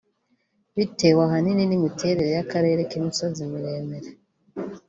bitewe ahanini n’imiterere y’akarere k’imisozi miremire